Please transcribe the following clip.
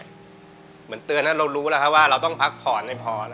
เตือนเรารู้เราต้องพักผ่อนได้พอ